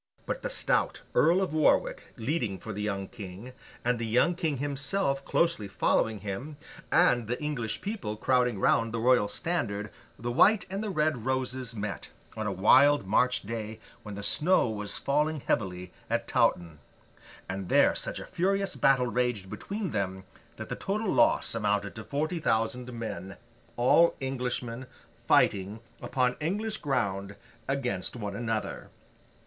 But, the stout Earl of Warwick leading for the young King, and the young King himself closely following him, and the English people crowding round the Royal standard, the White and the Red Roses met, on a wild March day when the snow was falling heavily, at Towton; and there such a furious battle raged between them, that the total loss amounted to forty thousand men—all Englishmen, fighting, upon English ground, against one another.